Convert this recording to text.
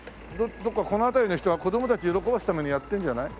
どっかこの辺りの人が子どもたち喜ばすためにやってるんじゃない？